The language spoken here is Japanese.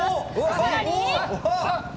さらに。